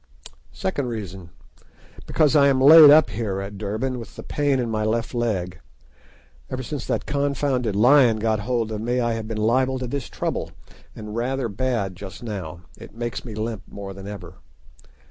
Second reason: Because I am laid up here at Durban with the pain in my left leg. Ever since that confounded lion got hold of me I have been liable to this trouble, and being rather bad just now, it makes me limp more than ever.